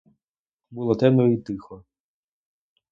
Було темно і тихо.